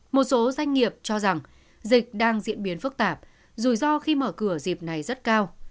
một số doanh nghiệp cho rằng dịch đang diễn biến phức tạp rủi ro khi mở cửa dịp này rất cao